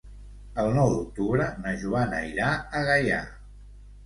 El nou d'octubre na Joana irà a Gaià.